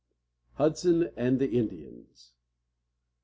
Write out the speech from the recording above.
XXVII. HUDSON AND THE INDIANS.